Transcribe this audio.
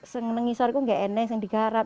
yang diperlukan itu nggak ada yang digarap